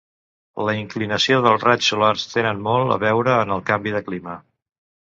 La inclinació dels raigs solars tenen molt a veure en el canvi de clima.